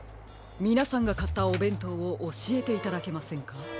みなさんがかったおべんとうをおしえていただけませんか？